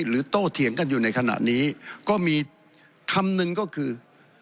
โตเถียงกันอยู่ในขณะนี้ก็มีคำหนึ่งก็คือ